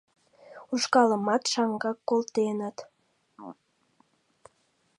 Ушкалымат шаҥгак колтеныт.